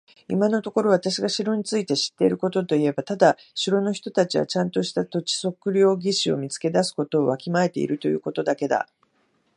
今のところ私が城について知っていることといえば、ただ城の人たちはちゃんとした土地測量技師を見つけ出すことをわきまえているということだけだ。